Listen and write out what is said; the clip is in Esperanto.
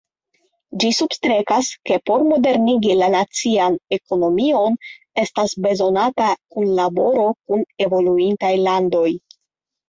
Ĝi substrekas, ke por modernigi la nacian ekonomion estas bezonata kunlaboro kun evoluintaj landoj.